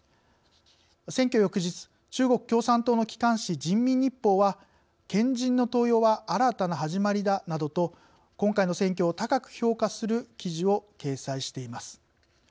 選挙翌日、中国共産党の機関紙人民日報は「賢人の登用は新たな始まりだ」などと、今回の選挙を高く評価する記事を掲載しています。